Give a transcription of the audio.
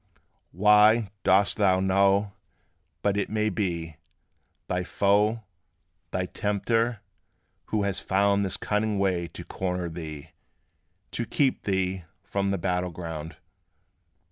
How dost thou know but it may be Thy foe, thy tempter, who has found This cunning way to corner thee, To keep thee from the battle ground?